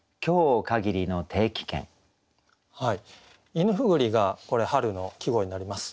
「いぬふぐり」がこれ春の季語になります。